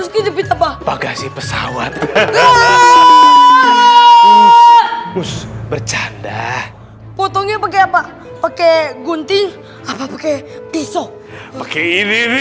kejepit apa bagasi pesawat berjanda potongnya pakai apa oke gunting apa pakai pisau pakai ini